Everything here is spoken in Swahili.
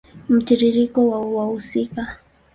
Mtiririko wa wahusika